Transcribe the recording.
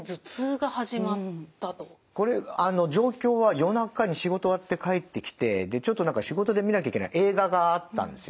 これ状況は夜中に仕事終わって帰ってきてちょっと何か仕事で見なきゃいけない映画があったんですよ。